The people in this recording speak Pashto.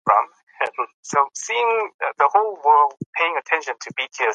د خلکو ترمنځ همکاري د ټولنې د پرمختګ لامل ګرځي.